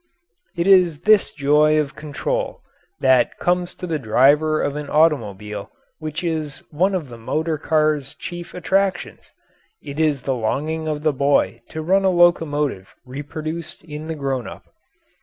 It is this joy of control that comes to the driver of an automobile which is one of the motor car's chief attractions: it is the longing of the boy to run a locomotive reproduced in the grown up.